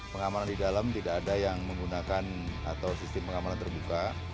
pengamanan di dalam tidak ada yang menggunakan atau sistem pengamanan terbuka